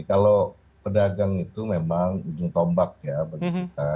kalau pedagang itu memang ujung tombak ya bagi kita